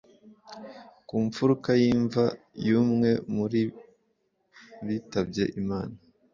ku mfuruka y'imva y'umwe muri bitabye imana